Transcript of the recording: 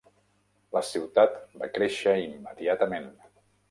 La ciutat va créixer immediatament.